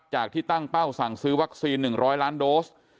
ที่ตั้งเป้าสั่งซื้อวัคซีน๑๐๐ล้านโดส